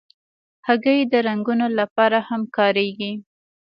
هګۍ د رنګونو لپاره هم کارېږي.